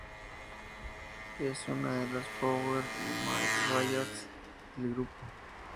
Es una de las power ballads del grupo.